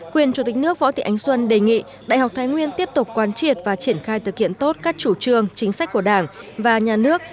quyền chủ tịch nước võ thị ánh xuân đề nghị đại học thái nguyên tiếp tục quan triệt và triển khai thực hiện tốt các chủ trương chính sách của đảng và nhà nước